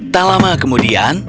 tak lama kemudian